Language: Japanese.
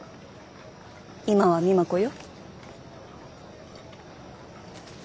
今は美摩子よ。